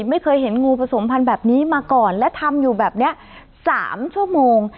ไม่เคยเห็นงูผสมพันธุ์แบบนี้มาก่อนและทำอยู่แบบนี้๓ชั่วโมง